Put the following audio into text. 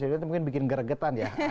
mkhitaryan ini mungkin bikin geregetan ya